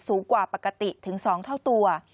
สูงกว่าปกติถึง๒เท่าตัว